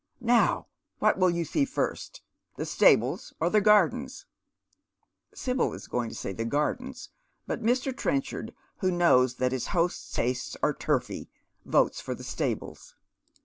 Now what will you see first ?— the stables or the gardens ?" Sibyl is going to say the gardens, but Mr. Trenchard, who inows that his host's tastes are turfy, votes for the stables.